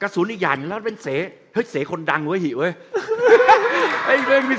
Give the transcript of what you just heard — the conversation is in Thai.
ซุนอีกอย่างแล้วแม่นเสให้เสคคลดังไว้เห้ยเว้ย